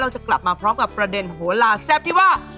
จะกลับมาพร้อมกับประเด็นโหลาแซ่บที่ว่า